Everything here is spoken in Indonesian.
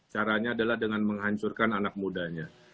caranya adalah dengan menghancurkan anak mudanya